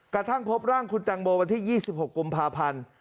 กระทั่งพบร่างคุณแตงโมวันที่๒๖กุมภาพันธ์